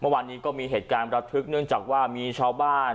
เมื่อวานนี้ก็มีเหตุงานรับทึกเนื่องจากว่ามีชาวบ้าน